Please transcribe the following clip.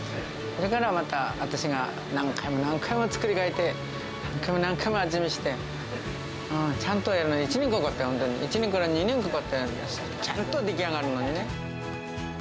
それからまた私が、何回も何回も作り変えて、何回も何回も味見して、ちゃんとやるのに１年から２年かかったよ、ちゃんと出来上がるまでね。